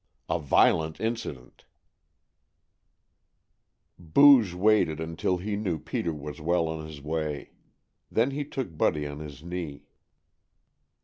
A VIOLENT INCIDENT BOOGE waited until he knew Peter was well on his way. Then he took Buddy on his knee.